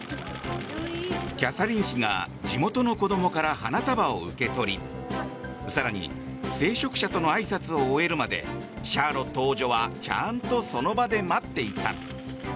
キャサリン妃が地元の子供から花束を受け取り更に聖職者とのあいさつを終えるまでシャーロット王女はちゃんとその場で待っていた。